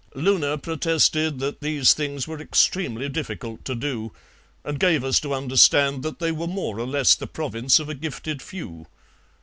Loona protested that these things were extremely difficult to do, and gave us to understand that they were more or less the province of a gifted few.